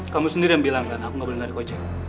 kamu sendiri yang bilang kan aku gak boleh nari kojek